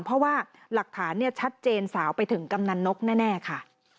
เพราะว่าหลักฐานชัดเจนสาวไปถึงกำนันนกแน่ค่ะ